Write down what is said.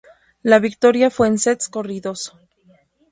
La victoria fue en sets corridos.